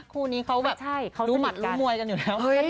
คู่นี้เขาแบบเขารู้หัดรู้มวยกันอยู่แล้ว